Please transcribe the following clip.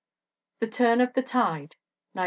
The Turn of the Tide, 1908.